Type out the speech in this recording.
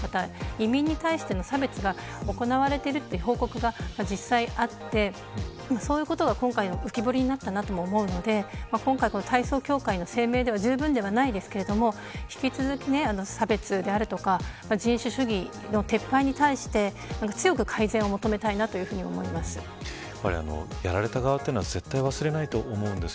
移民に対しての差別が行われているという報告が実際にあってそういうことが今回浮き彫りになったと思うので今回、体操協会の声明ではじゅうぶんではないですけど引き続き差別であるとか人種主義の撤廃に対してやられた側は絶対に忘れないと思うんです。